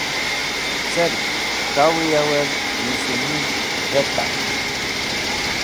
Cerg tawẽ yavẽr nis̃hunig̃h dheta?